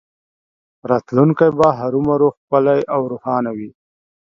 راتلونکی به هرومرو ښکلی او روښانه وي